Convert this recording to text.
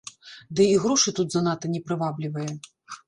Ды і грошы тут занадта не прываблівыя.